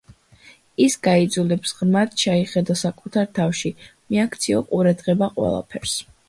ის გაიძულებს ღრმად ჩაიხედო საკუთარ თავში, მიაქციო ყურადღება ყველაფერს.